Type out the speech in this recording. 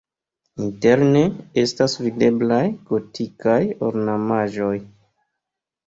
Interne estas videblaj gotikaj ornamaĵoj.